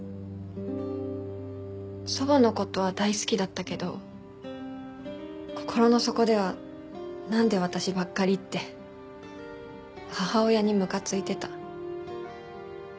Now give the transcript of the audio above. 祖母の事は大好きだったけど心の底ではなんで私ばっかりって母親にむかついてた。